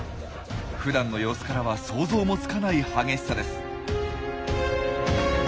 ふだんの様子からは想像もつかない激しさです。